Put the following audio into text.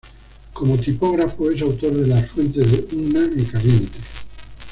Como tipógrafo, es autor de las fuentes "Unna" y "Caliente".